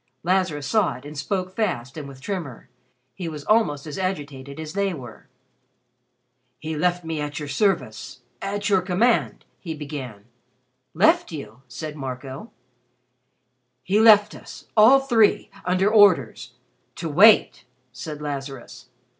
Lazarus saw it and spoke fast and with tremor. He was almost as agitated as they were. "He left me at your service at your command" he began. "Left you?" said Marco. "He left us, all three, under orders to wait," said Lazarus.